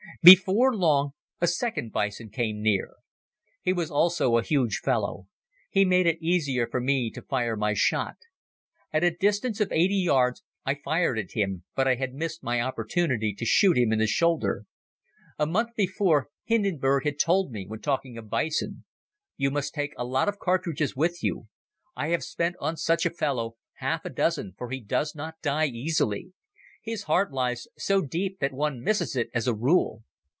Before long, a second bison came near. He was also a huge fellow. He made it easier for me to fire my shot. At a distance of eighty yards I fired at him but I had missed my opportunity to shoot him in the shoulder. A month before, Hindenburg had told me when talking of bison: "You must take a lot of cartridges with you. I have spent on such a fellow half a dozen for he does not die easily. His heart lies so deep that one misses it as a rule."